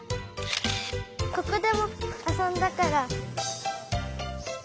ここでもあそんだから。